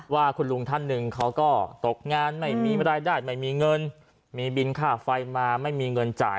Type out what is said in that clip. ว่าคุณลุงท่านหนึ่งเขาก็ตกงานไม่มีรายได้ไม่มีเงินมีบินค่าไฟมาไม่มีเงินจ่าย